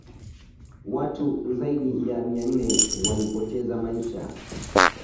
watu zaidi ya mia nane walipoteza maisha